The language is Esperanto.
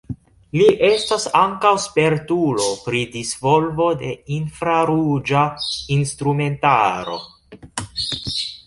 Li estas ankaŭ spertulo pri disvolvo de infraruĝa instrumentaro.